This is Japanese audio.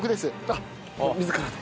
あっ自らの。